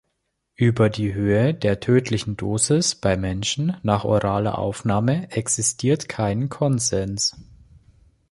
Über die Höhe der tödlichen Dosis beim Menschen nach oraler Aufnahme existiert kein Konsens.